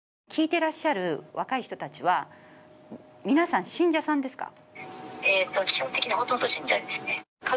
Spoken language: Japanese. てらっしゃる若い人たちは、皆さん信者さんですか？